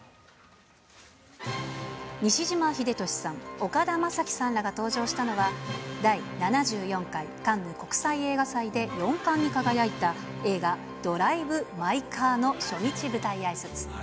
西島秀俊さん、岡田将生さんらが登場したのは、第７４回カンヌ国際映画祭で４冠に輝いた映画、ドライブ・マイ・カーの初日舞台あいさつ。